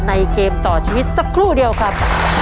เกมต่อชีวิตสักครู่เดียวครับ